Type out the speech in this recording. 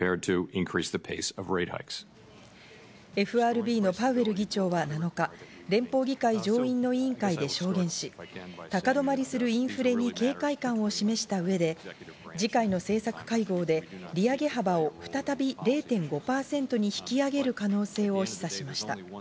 ＦＲＢのパウエル議長は７日、連邦議会上院の委員会で証言し、高止まりするインフレに警戒感を示した上で、次回の政策会合で利上げ幅を再び０．５％に引き上げる可能性を示唆しました。